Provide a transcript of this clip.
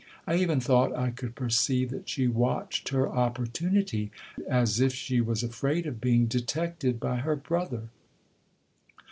I even thought I could perceive that she watched her opportunity, as if she was afraid of being detected by her brother.